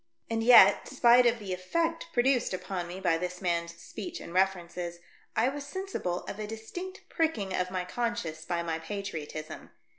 And yet, spite of the effect produced upon me by this man's speech and references, I was sensible of a distinct pricking of my con science by my patriotism.